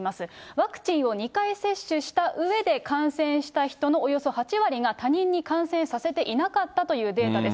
ワクチンを２回接種したうえで感染した人の、およそ８割が他人に感染させていなかったというデータです。